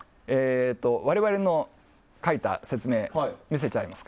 我々の書いた説明見せちゃいます。